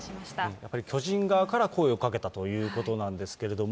やっぱり巨人側から声をかけたということなんですけれども。